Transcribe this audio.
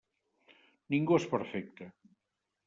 Ningú és perfecte.